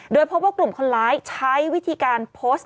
โดยพบว่ากลุ่มคนร้ายใช้วิธีการโพสต์